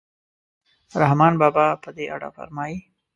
رحمان بابا په دې اړه فرمایي.